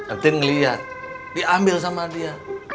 entin ngelihat diambil sama dia